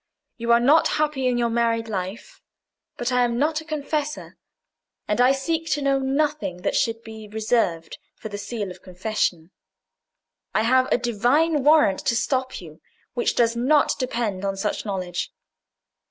You are not happy in your married life; but I am not a confessor, and I seek to know nothing that should be reserved for the seal of confession. I have a divine warrant to stop you, which does not depend on such knowledge.